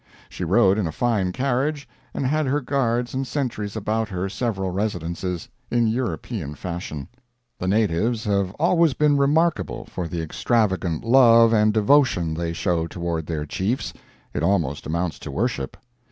She rode in a fine carriage, and had her guards and sentries about her several residences, in European fashion. The natives have always been remarkable for the extravagant love and devotion they show toward their Chiefs—it almost amounts to worship.